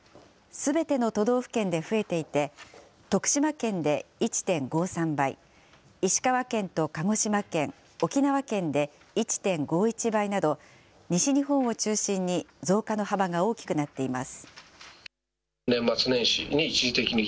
すべての都道府県で増えていて、徳島県で１．５３倍、石川県と鹿児島県、沖縄県で１．５１倍など、西日本を中心に増加の幅が大きくなっています。